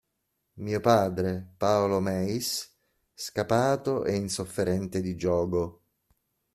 Mio padre, Paolo Meis, scapato e insofferente di giogo.